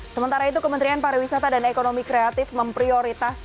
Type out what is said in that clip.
sementara itu kementerian pariwisata dan ekonomi kreatif memprioritaskan